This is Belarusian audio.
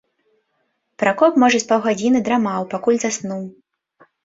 Пракоп можа з паўгадзіны драмаў, пакуль заснуў.